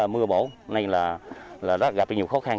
mưa bổ nên là gặp nhiều khó khăn